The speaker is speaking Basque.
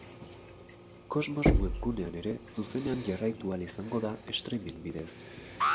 Kosmos webgunean ere zuzenean jarraitu ahal izango da streaming bidez.